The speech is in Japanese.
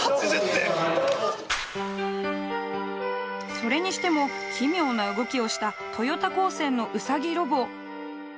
それにしても奇妙な動きをした豊田高専のウサギロボ。